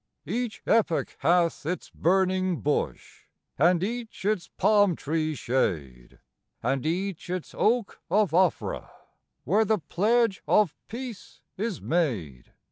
Each epoch hath its burning bush, and each its palm tree shade; And each its oak of Ophrah, where the pledge of peace is made.